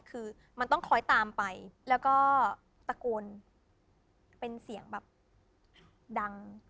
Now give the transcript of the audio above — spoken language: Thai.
คือมันต้องคอยตามไปแล้วก็ตะโกนเป็นเสียงแบบดัง